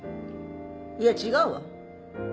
いや違うわ